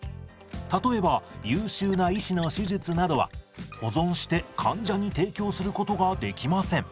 例えば優秀な医師の手術などは保存して患者に提供することができません。